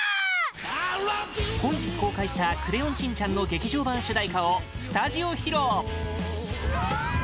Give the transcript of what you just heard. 本日、公開した「クレヨンしんちゃん」の劇場版主題歌をスタジオ披露！